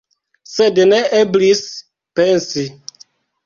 Sed ne eblis pensi.